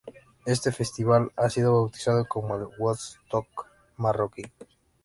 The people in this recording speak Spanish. Este festival ha sido bautizado como el "Woodstock marroquí".